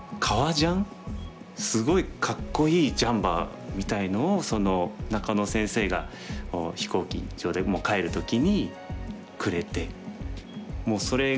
すごいかっこいいジャンパーみたいのを中野先生が飛行機場で帰る時にくれて。